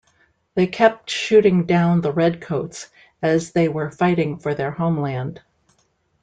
They kept shooting down the Red Coats, as they were fighting for their homeland.